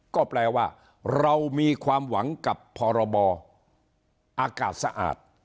ก็แปลว่าเรามีความหวังกับพรบอากาศสะอาด